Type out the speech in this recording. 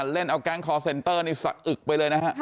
เล่นเอาแก๊งคอร์เซ็นเตอร์นี่สะอึกไปเลยนะฮะ